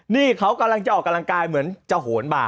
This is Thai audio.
นี่เขากำลังจะออกกำลังกายเหมือนจะโหนบาด